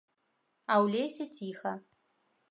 А ў лесе ціха.